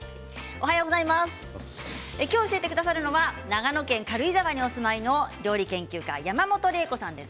今日、教えてくださるのは長野県軽井沢にお住まいの料理研究家、山本麗子さんです。